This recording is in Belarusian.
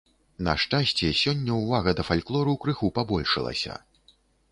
На шчасце, сёння ўвага да фальклору крыху пабольшылася.